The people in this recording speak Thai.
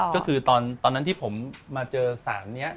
ก็คือตอนนั้นที่ผมมาเจอสารนี้